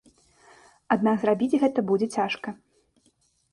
Аднак зрабіць гэта будзе цяжка.